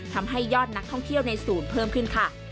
ทำให้ยอดนักท่องเที่ยวในศูนย์เพิ่มขึ้นค่ะ